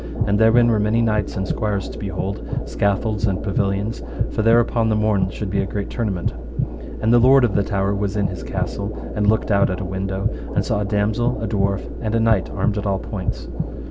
And therein were many knights and squires to behold, scaffolds and pavilions; for there upon the morn should be a great tournament: and the lord of the tower was in his castle and looked out at a window, and saw a damosel, a dwarf, and a knight armed at all points.